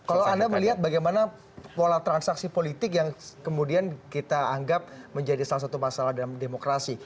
kalau anda melihat bagaimana pola transaksi politik yang kemudian kita anggap menjadi salah satu masalah dalam demokrasi